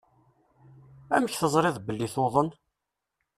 Amek teẓriḍ belli tuḍen?